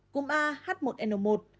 cúm a h một n một